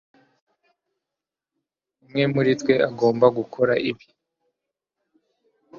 Umwe muri twe agomba gukora ibi